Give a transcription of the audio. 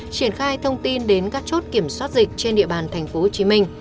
triển khai thông tin đến các chốt kiểm soát dịch trên địa bàn tp hcm